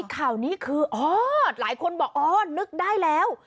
ข้อนี้คือหรอหลายคนบอกนึกได้แล้ว